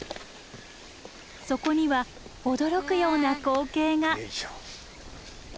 そこには驚くような光景が。